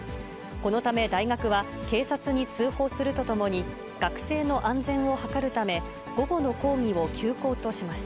このため大学は、警察に通報するとともに、学生の安全を図るため、午後の講義を休講としました。